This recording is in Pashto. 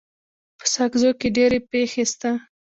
په ساکزو کي ډيري پښي سته.